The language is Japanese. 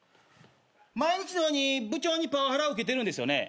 毎日のように部長にパワハラを受けてるんですよね？